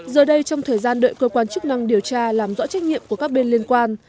giờ đây trong thời gian đợi cơ quan chức năng điều tra làm rõ trách nhiệm của các bên liên quan